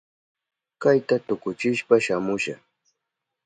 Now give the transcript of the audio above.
Kayta tukuchishpa shamusha.